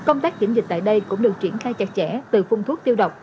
công tác kiểm dịch tại đây cũng được triển khai chặt chẽ từ phun thuốc tiêu độc